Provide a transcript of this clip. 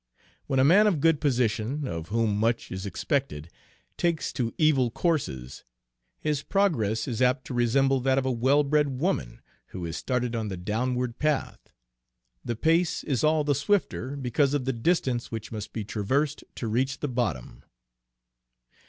When a man of good position, of whom much is expected, takes to evil courses, his progress is apt to resemble that of a well bred woman who has started on the downward path, the pace is all the swifter because of the distance which must be traversed to reach the bottom.